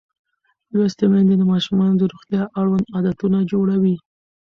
لوستې میندې د ماشومانو د روغتیا اړوند عادتونه جوړوي.